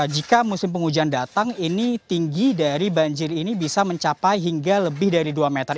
jika musim penghujan datang ini tinggi dari banjir ini bisa mencapai hingga lebih dari dua meter